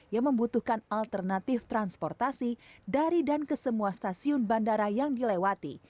yang membutuhkan alternatif transportasi dari dan ke semua stasiun bandara yang dilewati